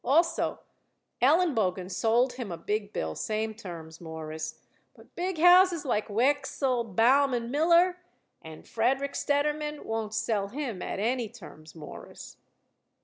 Also, Elenbogen sold him a big bill, same terms, Mawruss. But big houses like Wechsel, Baum & Miller and Frederick Stettermann won't sell him at any terms, Mawruss."